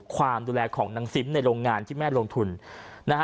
ความดูแลของนางซิมในโรงงานที่แม่ลงทุนนะฮะ